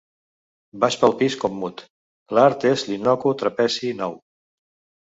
Vas pel pis com mut: l'art és l'innocu trapezi nou».